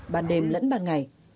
ban đêm lẫn ban ngày